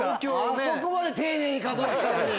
あそこまで丁寧に数えてたのに。